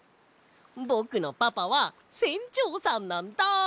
ぼくのパパはせんちょうさんなんだ！